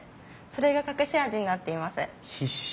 それが隠し味になっています。